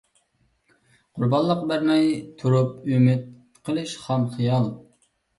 قۇربانلىق بەرمەي تۇرۇپ ئۈمىد قىلىش خام خىيال.